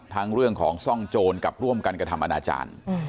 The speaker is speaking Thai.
ทั้งเรื่องของซ่องโจรกับร่วมกันกับธรรมนาจารย์